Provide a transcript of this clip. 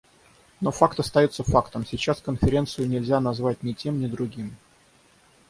Но факт остается фактом — сейчас Конференцию нельзя назвать ни тем, ни другим.